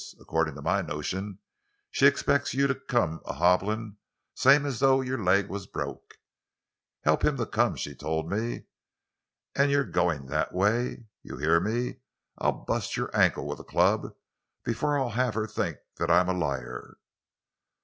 Accordin' to my notion, she expects you to come a hobblin', same as though your leg was broke. 'Help him to come,' she told me. An' you're goin' that way—you hear me! I'll bust your ankle with a club before I'll have her think I'm a liar!"